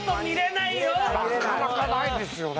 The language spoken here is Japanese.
なかなかないですよね？